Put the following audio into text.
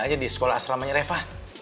aja di sekolah asramanya reva